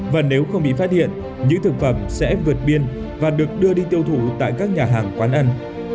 và nếu không bị phát hiện những thực phẩm sẽ vượt biên và được đưa đi tiêu thụ tại các nhà hàng quán ăn